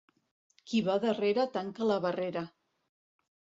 Qui va darrere tanca la barrera.